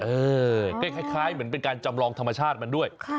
คล้ายเหมือนเป็นการจำลองธรรมชาติมันด้วย